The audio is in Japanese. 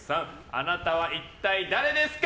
あなたは一体誰ですか？